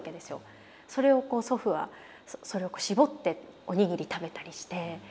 それをこう祖父はそれを絞っておにぎり食べたりして。